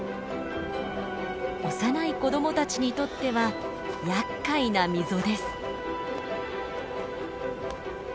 幼い子供たちにとってはやっかいな溝です。